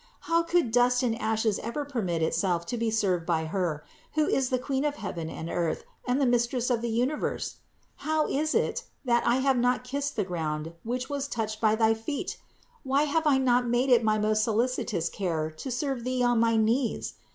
How could dust and ashes ever permit itself to be served by Her, who is the Queen of heaven and earth and the Mistress of the universe ? How is it, that I have not kissed the ground which was touched by thy feet? Why have I not made it my most solicitous care to serve Thee on my knees?